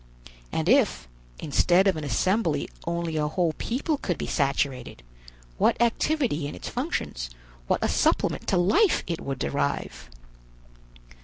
And if, instead of an assembly only a whole people could be saturated, what activity in its functions, what a supplement to life it would derive.